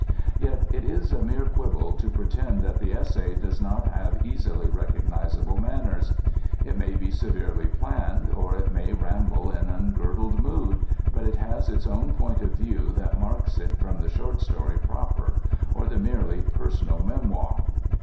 Yet it is a mere quibble to pretend that the essay does not have easily recognizable manners. It may be severely planned, or it may ramble in ungirdled mood, but it has its own point of view that marks it from the short story proper, or the merely personal memoir.